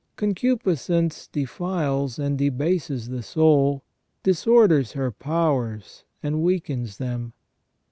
Concupiscence defiles and debases the soul, disorders her powers, and weakens them.